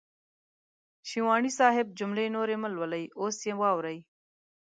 شېواني صاحب جملې نورې مهلولئ اوس يې واورئ.